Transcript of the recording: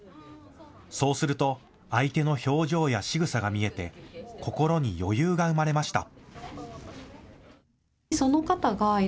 そうすると相手の表情やしぐさが見えて心に余裕が生まれました。